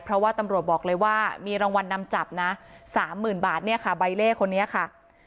เพราะว่าตำรวจบอกเลยว่ามีรางวัลนำจับนะ๓๐๐๐บาทเนี่ยค่ะใบเล่คนนี้ค่ะ